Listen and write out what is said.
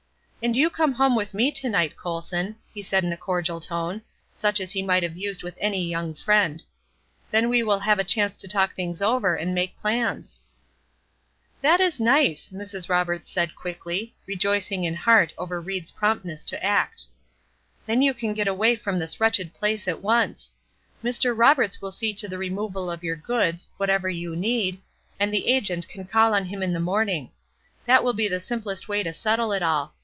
"And you come home with me to night, Colson," he said in a cordial tone, such as he might have used with any young friend; "then we shall have a chance to talk things over and make plans." "That is nice," Mrs. Roberts said, quickly, rejoicing in her heart over Ried's promptness to act. "Then you can get away from this wretched place at once. Mr. Roberts will see to the removal of your goods, whatever you need, and the agent can call on him in the morning. That will be the simplest way to settle it all.